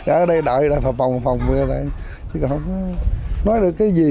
ở đây đợi phòng phòng phòng chứ không có nói được cái gì